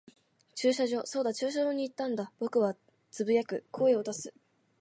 駐車場。そうだ、駐車場に行ったんだ。僕は呟く、声を出す。